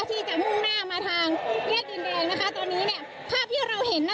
ที่จะมุ่งหน้ามาทางแยกดินแดงนะคะตอนนี้เนี่ยภาพที่เราเห็นน่ะ